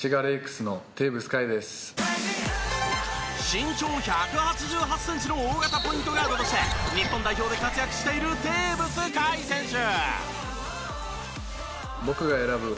身長１８８センチの大型ポイントガードとして日本代表で活躍しているテーブス海選手。